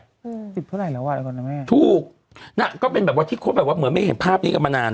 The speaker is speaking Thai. อืมสิบเท่าไหรแล้วอ่ะตอนนั้นแม่ถูกน่ะก็เป็นแบบว่าที่คดแบบว่าเหมือนไม่เห็นภาพนี้กันมานาน